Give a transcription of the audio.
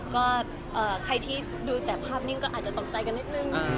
ก็ใครที่ดูแต่ภาพนิ่งก็อาจจะตกใจกันนิดนึง